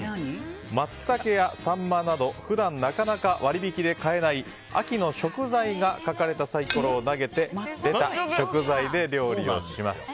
マツタケやサンマなど普段なかなか割引で買えない秋の食材が書かれたサイコロを投げて出た食材で料理をします。